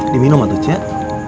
diminum atau chat